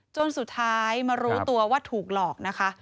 จนสุดท้ายมารู้ตัวว่าถูกหลอกนะคะ